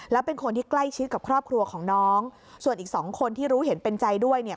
แล้วเป็นคนที่ใกล้ชิดกับครอบครัวของน้องส่วนอีกสองคนที่รู้เห็นเป็นใจด้วยเนี่ย